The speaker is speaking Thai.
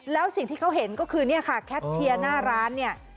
แล้วสิ่งที่เขาเห็นก็คือเนี่ยค่ะแคปเชียร์หน้าร้านเนี่ย